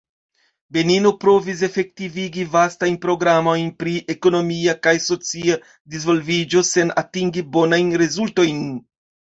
Benino provis efektivigi vastajn programojn pri ekonomia kaj socia disvolviĝo sen atingi bonajn rezultojn.